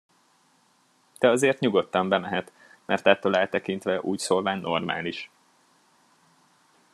De azért nyugodtan bemehet, mert ettől eltekintve úgyszólván normális.